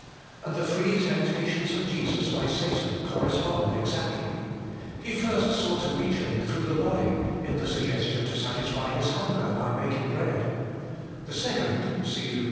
And the three temptations of Jesus by Satan correspond exactly : he first sought to reach Him through the body, in the suggestion to satisfy His hunger by making bread ; the second (see Luke iv.)